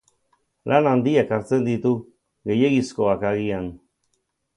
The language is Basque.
Lan handiak hartzen ditu, gehiegizkoak, agian.